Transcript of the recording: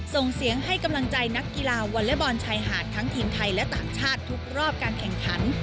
ส่งเสียงให้กำลังใจนักกีฬาวอเล็กบอลชายหาดทั้งทีมไทยและต่างชาติทุกรอบการแข่งขัน